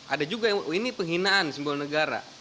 ada juga ini penghinaan sebuah negara